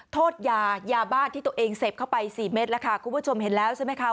โทษยายาบ้านที่ตัวเองเสพเข้าไปสี่เม็ดแล้วค่ะคุณผู้ชมเห็นแล้วใช่ไหมคะ